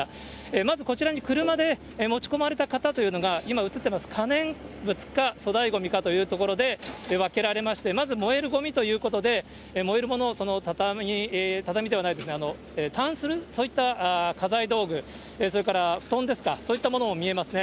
まずこちらに車で持ち込まれた方というのが、今、映っています、可燃物か粗大ごみかというところで分けられまして、まず燃えるごみということで、燃えるもの、たんす、そういった家財道具、それから布団ですか、そういったものも見えますね。